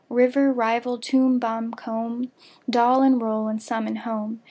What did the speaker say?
River, rival; tomb, bomb, comb; Doll and roll and some and home.